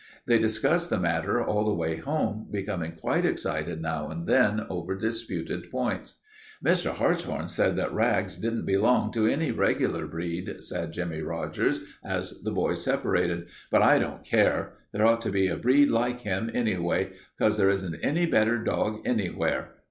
They discussed the matter all the way home, becoming quite excited now and then over disputed points. "Mr. Hartshorn said that Rags didn't belong to any regular breed," said Jimmie Rogers as the boys separated, "but I don't care. There ought to be a breed like him, anyway, 'cause there isn't any better dog anywhere.